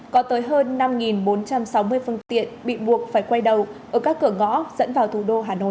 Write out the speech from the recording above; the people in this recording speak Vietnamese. có tới hơn năm bốn trăm sáu mươi phương tiện bị buộc phải quay đầu ở các cửa ngõ dẫn vào thủ đô hà nội